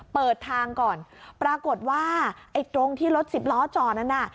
เปิดทางก่อนปรากฏว่าไอ้ตรงที่รถสิบล้อจอนั้นน่ะ